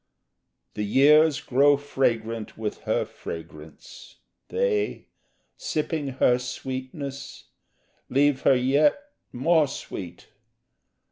The years grow fragrant with her fragrance: they, Sipping her sweetness, leave her yet more sweet.